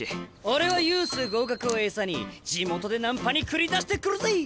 俺はユース合格を餌に地元でナンパに繰り出してくるぜ！